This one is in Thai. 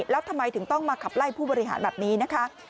แล้วทำไมถึงต้องมาขับไล่ผู้บริหารแบบนี้นะคะ